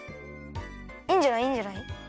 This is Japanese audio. いいんじゃないいいんじゃない。